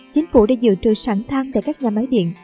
chính phủ đã giữ trừ sẵn thang tại các nhà máy điện